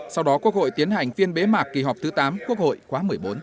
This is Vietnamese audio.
sau đó quốc hội tiến hành phiên bế mạc kỳ họp thứ tám quốc hội khóa một mươi bốn